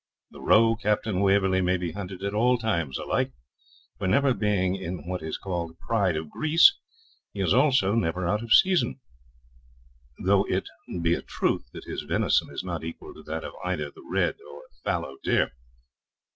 The roe, Captain Waverley, may be hunted at all times alike; for never being in what is called PRIDE OF GREASE, he is also never out of season, though it be a truth that his venison is not equal to that of either the red or fallow deer.